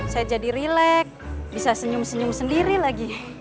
saya jadi relax bisa senyum senyum sendiri lagi